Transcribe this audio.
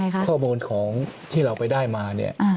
เค้าบริเวณของที่เราไปได้มา